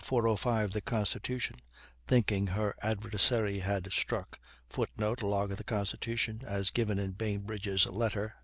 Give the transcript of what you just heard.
05 the Constitution, thinking her adversary had struck, [Footnote: Log of the Constitution (as given in Bainbridge's letter).